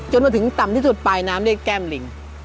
มาถึงต่ำที่สุดปลายน้ำเรียกแก้มลิง